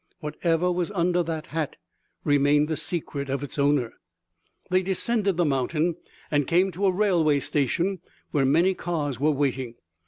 Whatever was under that hat remained the secret of its owner. They descended the mountains and came to a railway station, where many cars were waiting.